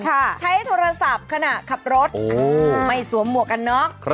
ใช้โทรศัพท์ขณะขับรถไม่สวมหมวกกันน็อก